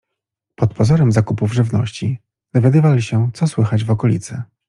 Pod pozorem zakupów żywności dowiadywali się, co słychać w okolicy.